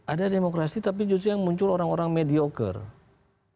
ada demokrasi tapi justru yang muncul orang orang mediocare